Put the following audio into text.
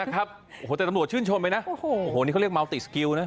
นะครับโอ้โหแต่ตำรวจชื่นชนไปนะโอ้โหโอ้โหนี่เขาเรียกมัลติสกิลนะ